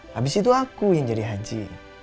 habis itu aku yang jadi haji